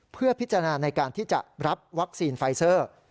เพื่อพิจารณาในการที่จะรับวัคซีนไฟเซอร์